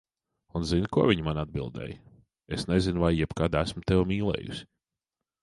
Un zini, ko viņa man atbildēja, "Es nezinu, vai jebkad esmu tevi mīlējusi."